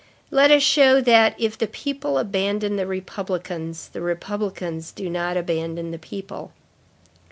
Let us show that, if the people abandon the republicans, the republicans do not abandon the people."